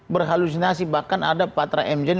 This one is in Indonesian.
berhalusinasi bahkan ada patra m jani